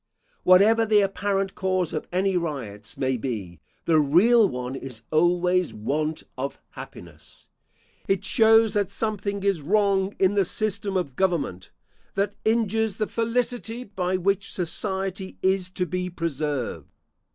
Whatever the apparent cause of any riots may be, the real one is always want of happiness. It shows that something is wrong in the system of government that injures the felicity by which society is to be preserved.